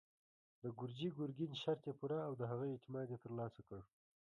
د ګرجي ګرګين شرط يې پوره او د هغه اعتماد يې تر لاسه کړ.